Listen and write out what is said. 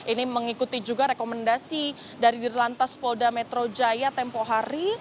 ini mengikuti juga rekomendasi dari dirilantas polda metro jaya tempohari